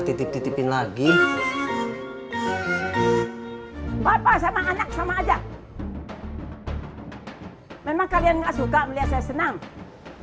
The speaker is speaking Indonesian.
titip titipin lagi bapak sama anak sama aja memang kalian nggak suka melihat saya senang